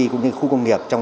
cũng như khu công nghiệp